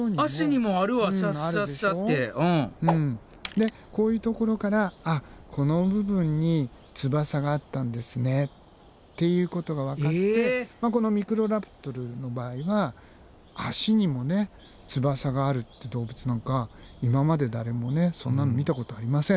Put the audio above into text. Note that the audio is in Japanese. でこういうところからあっこの部分に翼があったんですねっていうことがわかってこのミクロラプトルの場合は足にも翼があるって動物なんか今まで誰もそんなの見たことありません。